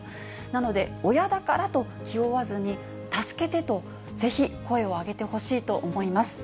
なので、親だからと気負わずに、助けてと、ぜひ声を上げてほしいと思います。